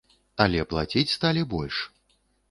Але плаціць сталі больш.